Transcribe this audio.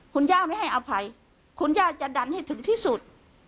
คุณย่าไม่ให้อภัยคุณย่าจะดันให้ถึงที่สุด